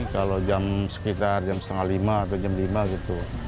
kalau jam sekitar jam setengah lima atau jam lima gitu